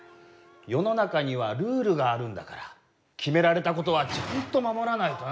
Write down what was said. よのなかにはルールがあるんだからきめられたことはちゃんとまもらないと。